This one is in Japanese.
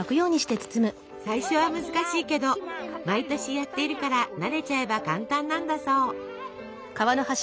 最初は難しいけど毎年やっているから慣れちゃえば簡単なんだそう。